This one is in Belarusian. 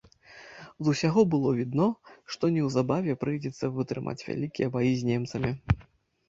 З усяго было відно, што неўзабаве прыйдзецца вытрымаць вялікія баі з немцамі.